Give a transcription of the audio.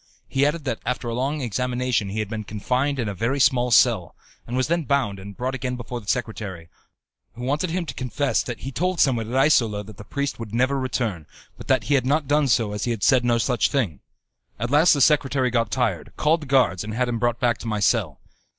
He added that after a long examination he had been confined in a very small cell, and was then bound and brought again before the secretary, who wanted him to confess that he told someone at Isola that the priest would never return, but that he had not done so as he had said no such thing. At last the secretary got tired, called the guards, and had him brought back to my cell.